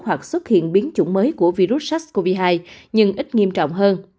hoặc xuất hiện biến chủng mới của virus sars cov hai nhưng ít nghiêm trọng hơn